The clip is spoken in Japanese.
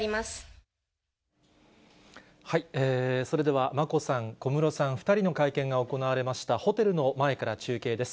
それでは、眞子さん、小室さん、２人の会見が行われましたホテルの前から中継です。